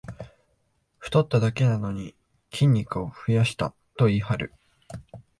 太っただけなのに筋肉を増やしたと言いはる